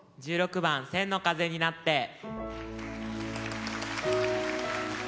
１６番「千の風になって」。